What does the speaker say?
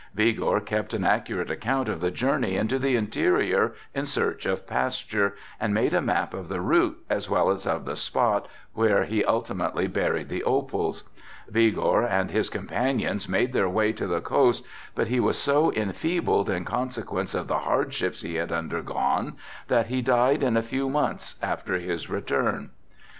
Vigor kept an accurate account of the journey into the interior in search of pasture and made a map of the route as well as of the spot where he ultimately buried the opals. Vigor and his companions made their way to the coast but he was so enfeebled in consequence of the hardships he had undergone that he died in a few months after his return.